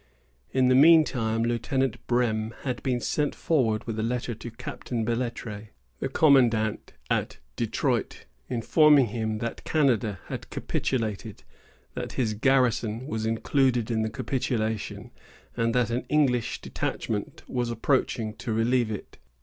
In the mean time, Lieutenant Brehm had been sent forward with a letter to Captain Belètre, the commandant at Detroit, informing him that Canada had capitulated, that his garrison was included in the capitulation, and that an English detachment was approaching to relieve it.